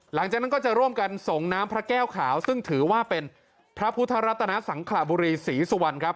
หลังจากนั้นก็จะร่วมกันส่งน้ำพระแก้วขาวซึ่งถือว่าเป็นพระพุทธรัตนสังขระบุรีศรีสุวรรณครับ